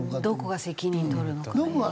どこが責任取る。